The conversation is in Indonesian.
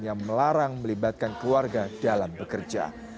yang melarang melibatkan keluarga dalam bekerja